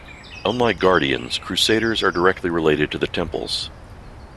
Unlike guardians, Crusaders are directly related to the temples.